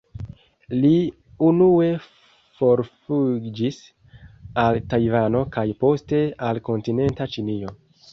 Li unue forfuĝis al Tajvano kaj poste al kontinenta Ĉinio.